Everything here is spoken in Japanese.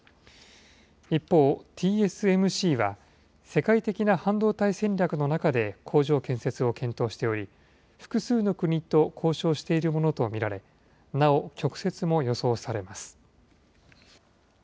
一方、ＴＳＭＣは、世界的な半導体戦略の中で工場建設を検討しており、複数の国と交渉しているものと見られ、なお曲折も予想されます。